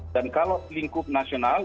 dan kalau lingkup nasional